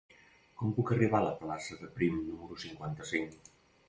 Com puc arribar a la plaça de Prim número cinquanta-cinc?